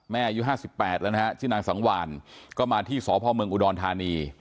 อายุ๕๘แล้วนะฮะชื่อนางสังวานก็มาที่สพเมืองอุดรธานี